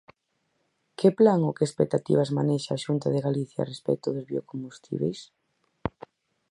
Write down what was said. ¿Que plan ou que expectativas manexa a Xunta de Galicia respecto dos biocombustíbeis?